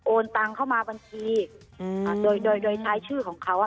ตังเข้ามาบัญชีอืมอ่าโดยโดยใช้ชื่อของเขาอ่ะ